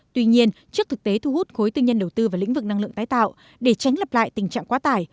tuy nhiên trước thực tế thu hút khối tư nhân đầu tư vào lĩnh vực năng lượng tái tạo để tránh lập lại tình trạng quá tải